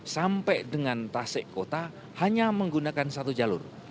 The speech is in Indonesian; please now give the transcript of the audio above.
sampai dengan tasik kota hanya menggunakan satu jalur